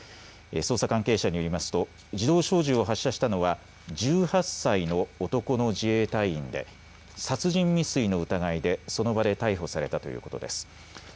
捜査関係者によりますと自動小銃を発射したのは１８歳の男の自衛隊員で殺人未遂の疑いで、その場で逮捕されたということです。